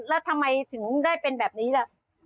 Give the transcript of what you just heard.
แล้วทำไมถึงได้เป็นแบบนี้ล่ะ